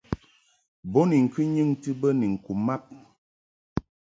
Bo ni ŋkɨ nyɨŋti bə ni ŋku mab.